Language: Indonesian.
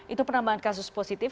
itu penambahan kasus positif